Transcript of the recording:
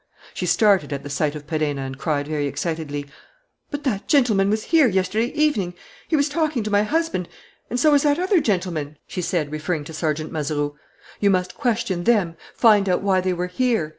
She started at the sight of Perenna and cried, very excitedly: "But that gentleman was here yesterday evening! He was talking to my husband and so was that other gentleman," she said, referring to Sergeant Mazeroux. "You must question them, find out why they were here.